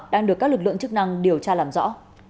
đang được các lực lượng chức năng điều tra làm rõ